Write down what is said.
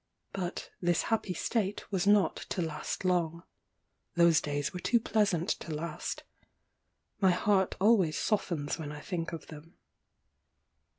But this happy state was not to last long. Those days were too pleasant to last. My heart always softens when I think of them.